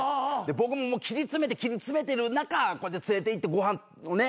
僕ももう切り詰めて切り詰めてる中こうやって連れていってご飯をね